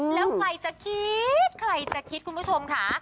แล้วใครจะคิดใครจะคิดคุณผู้ชมค่ะ